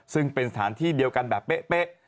ซึ่งเป็นสถานที่เดียวกันแบบเป๊ะ